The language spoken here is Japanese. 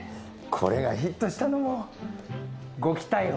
これがヒットしたのも「ゴキ逮捕！」